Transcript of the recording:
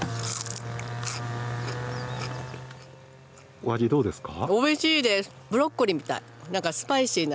お味、どうですか。